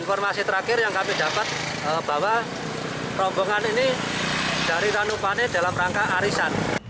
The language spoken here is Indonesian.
informasi terakhir yang kami dapat bahwa rombongan ini dari ranupane dalam rangka arisan